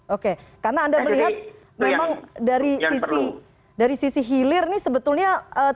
oke karena anda melihat memang dari sisi hilir ini sebetulnya